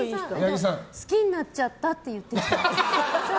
好きになっちゃったって言ってきた。